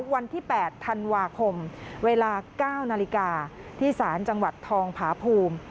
วันที่๘ธันวาคมเวลา๙นาฬิกาที่ศาลจังหวัดทองผาภูมิ